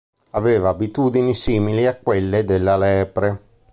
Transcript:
Aveva abitudini simili a quelle della lepre.